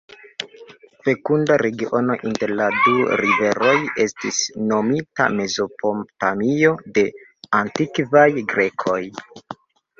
La fekunda regiono inter la du riveroj estis nomita Mezopotamio de antikvaj Grekoj.